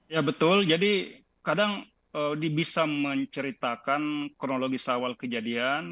ya betul jadi kadang bisa menceritakan kronologi sawal kejadian